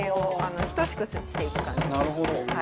なるほど。